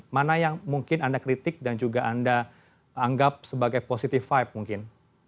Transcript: mana yang mungkin anda kritik dan juga anda anggap sebagai positive vibe mungkin